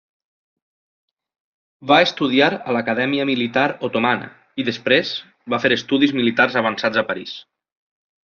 Va estudiar a l'Acadèmia Militar Otomana i després va fer estudis militars avançats a París.